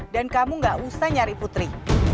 dan kamu gak usah nyari putri